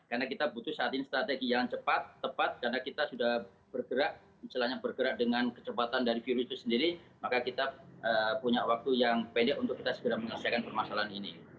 karena kita butuh saat ini strategi yang cepat tepat karena kita sudah bergerak misalnya bergerak dengan kecepatan dari virus itu sendiri maka kita punya waktu yang pendek untuk kita segera menyelesaikan permasalahan ini